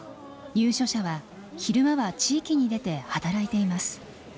入所者は昼間は地域に出て働いています。